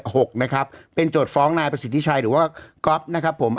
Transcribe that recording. หกนะครับเป็นโจทย์ฟ้องนายประสิทธิชัยหรือว่าก๊อฟนะครับผม